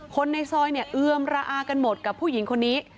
คนในซอยเนี่ยเอือมระอากันหมดกับผู้หญิงคนนี้